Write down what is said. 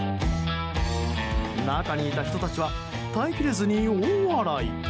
中にいた人たちは耐え切れずに大笑い。